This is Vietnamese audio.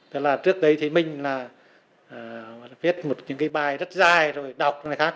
tức là trước đấy thì mình là viết một cái bài rất dài rồi đọc cái bài khác